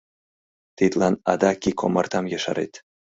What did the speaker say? Тидлан адак ик омартам ешарет...